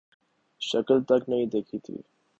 شکل تک نہیں دیکھی تھی